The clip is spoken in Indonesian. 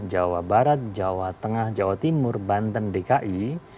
jawa barat jawa tengah jawa timur banten dki